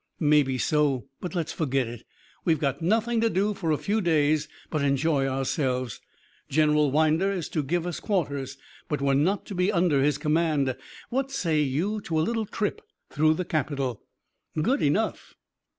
"Maybe so, but let's forget it. We've got nothing to do for a few days but enjoy ourselves. General Winder is to give us quarters, but we're not to be under his command. What say you to a little trip through the capitol?" "Good enough."